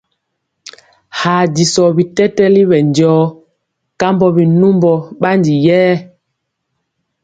Haa disɔ bitɛtɛli ɓɛ njɔɔ kambɔ binumbɔ ɓandi yɛɛ.